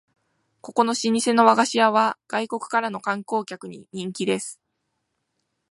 ここの老舗の和菓子屋は外国からの観光客に人気です